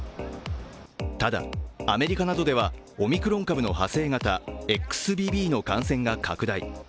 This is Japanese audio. ただ、アメリカなどではオミクロン株の派生型、ＸＢＢの感染が拡大。